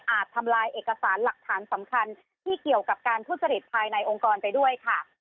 ทำลายเอกสารหลักฐานสำคัญที่เกี่ยวกับการทุจริตภายในองค์กรไปด้วยค่ะ